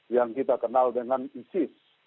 yang kita kenal dengan isis